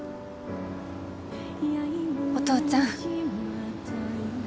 お父ちゃん